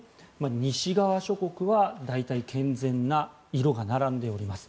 西側諸国は大体健全な色が並んでおります。